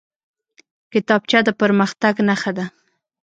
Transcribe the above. کتابچه د پرمختګ نښه ده